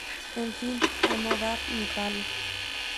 En fin, a no dar ni palo.